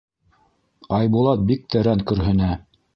Айбулат бик тәрән көрһөнә.